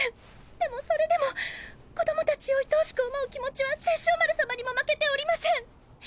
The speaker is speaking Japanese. でもそれでも子ども達を愛おしく思う気持ちは殺生丸さまにも負けておりません。